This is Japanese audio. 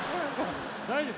大丈夫？